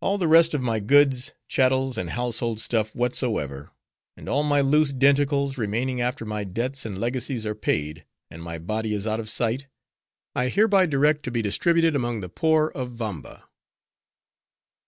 "'All the rest of my goods, chattels and household stuff whatsoever; and all my loose denticles, remaining after my debts and legacies are paid, and my body is out of sight, I hereby direct to be distributed among the poor of Vamba.